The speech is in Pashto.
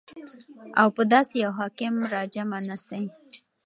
او په داسي يو حاكم راجمع نسي